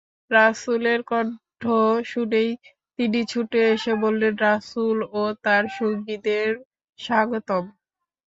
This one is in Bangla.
রাসূলের কণ্ঠ শুনেই তিনি ছুটে এসে বললেন, রাসূল ও তাঁর সঙ্গীদের স্বাগতম।